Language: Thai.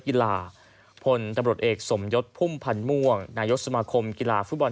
กีฬาพนทรัพย์รอดเอกสมยทพุ่มพันธ์ม่วงนายศมาคมกีฬาฟุตบัน